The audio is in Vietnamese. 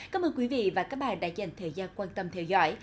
cảm ơn quý vị và các bạn đã dành thời gian quan tâm theo dõi